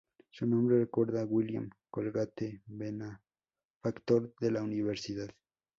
Su nombre recuerda a William Colgate, benefactor de la universidad.